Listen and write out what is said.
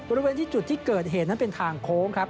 บริเวณที่จุดที่เกิดเหตุนั้นเป็นทางโค้งครับ